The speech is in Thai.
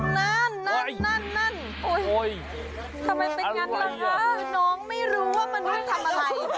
นั่นนั่นนั่นนั่นทำไมเป็นอย่างนั้นน้องไม่รู้ว่ามนุษย์ทำอะไร